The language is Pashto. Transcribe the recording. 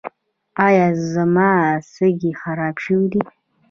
ایا زما سږي خراب شوي دي؟